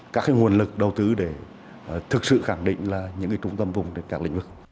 các nguồn lực đầu tư để thực sự khẳng định là những trung tâm vùng trên các lĩnh vực